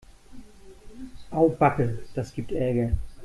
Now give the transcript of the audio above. Au backe, das gibt Ärger.